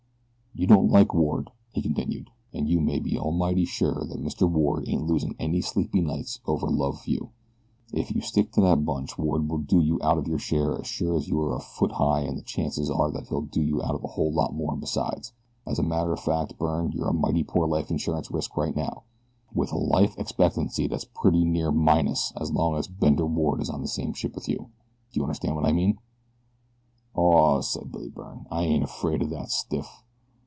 "You don't like Ward," he continued, "and you may be almighty sure that Mr. Ward ain't losing any sleep nights over love of you. If you stick to that bunch Ward will do you out of your share as sure as you are a foot high, an' the chances are that he'll do you out of a whole lot more besides as a matter of fact, Byrne, you're a mighty poor life insurance risk right now, with a life expectancy that's pretty near minus as long as Bender Ward is on the same ship with you. Do you understand what I mean?" "Aw," said Billy Byrne, "I ain't afraid o' that stiff.